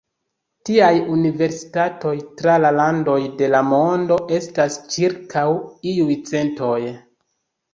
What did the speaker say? Tiaj universitatoj tra la landoj de la mondo estas ĉirkaŭ iuj centoj.